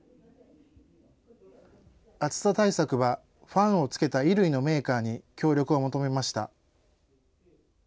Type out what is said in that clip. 暑さ対策は、ファンをつけた衣類のメーカーに協力を求めました。